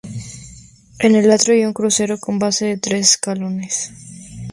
En el atrio hay un crucero con base de tres escalones.